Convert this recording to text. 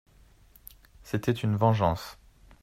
C'était une vengeance.